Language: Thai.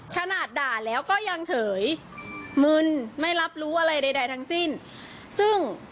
ขนาดด่าแล้วก็ยังเฉยมึนไม่รับรู้อะไรใดทั้งสิ้นซึ่ง